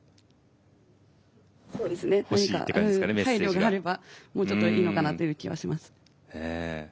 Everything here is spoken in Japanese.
配慮があればもうちょっといいのかなという気はします。